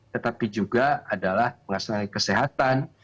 tetapi juga adalah masalah kesehatan